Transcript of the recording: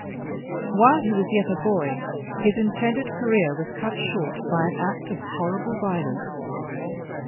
While he was yet a boy, his intended career was cut short by an act of horrible violence.